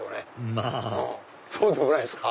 まぁそうでもないですか？